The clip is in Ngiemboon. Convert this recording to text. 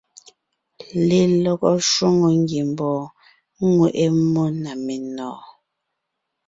Lelɔgɔ shwòŋo ngiembɔɔn ŋweʼe mmó na menɔ̀ɔn.